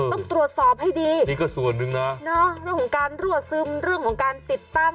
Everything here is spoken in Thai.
ต้องตรวจสอบให้ดีนี่ก็ส่วนหนึ่งนะเนาะเรื่องของการรั่วซึมเรื่องของการติดตั้ง